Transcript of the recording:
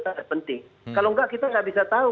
sangat penting kalau enggak kita nggak bisa tahu